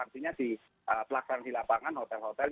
artinya di pelaksanaan di lapangan hotel hotel